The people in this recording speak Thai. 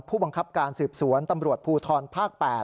ผู้บังคับการสืบสวนตำรวจภูทรภาค๘